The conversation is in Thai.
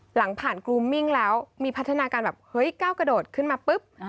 หลังผ่านกรูมมิ่งแล้วมีพัฒนาการแบบเฮ้ยก้าวกระโดดขึ้นมาปุ๊บ